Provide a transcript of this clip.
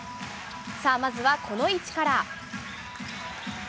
さあ、まずはこの位置から。